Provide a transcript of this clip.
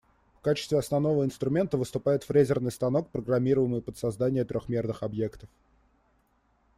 В качестве основного инструмента выступает фрезерный станок, программируемый под создание трёхмерных объектов.